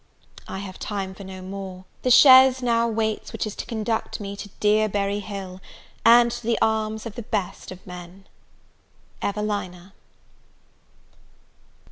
I have time for no more; the chaise now waits which is to conduct me to dear Berry Hill, and to the arms of the best of men. EVELINA.